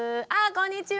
こんにちは。